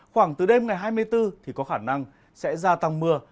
khoảng từ đêm ngày hai mươi bốn thì có khả năng sẽ gia tăng mưa